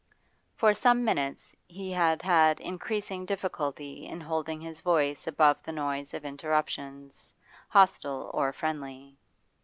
For some minutes he had had increasing difficulty in holding his voice above the noise of interruptions, hostile or friendly.